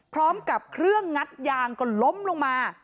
พร้อมกับเครื่องงัดยางก็ล้มลงมา